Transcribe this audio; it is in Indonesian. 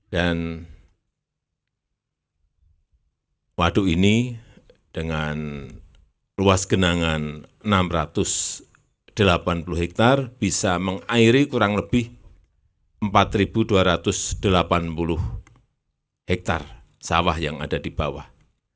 dan waduk ini dengan luas genangan enam ratus delapan puluh hektare bisa mengairi kurang lebih empat dua ratus delapan puluh hektare sawah yang ada di bawah